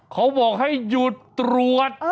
เขาบอกให้หยุดตรวจ